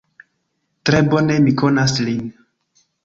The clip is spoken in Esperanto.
Tre bone mi konas lin.